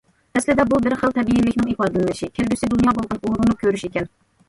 ئەسلىدە بۇ بىر خىل تەبىئىيلىكنىڭ ئىپادىلىنىشى، كەلگۈسى دۇنيا بولغان ئۇرۇنۇپ كۆرۈش ئىكەن.